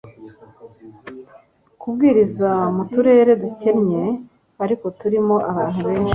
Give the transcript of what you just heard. kubwiriza mu turere dukennye, ariko turimo abantu benshi